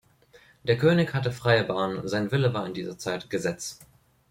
Der König hatte freie Bahn, sein Wille war in dieser Zeit Gesetz.